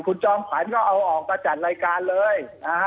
คุณจอมขวัญก็เอาออกมาจัดรายการเลยนะฮะ